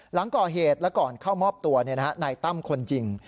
หลังก่อเหตุและก่อนเข้ามอบตัวนายตั้มคนยิง